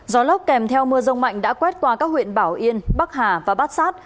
gió lốc kèm theo mưa rông mạnh đã quét qua các huyện bảo yên bắc hà và bát sát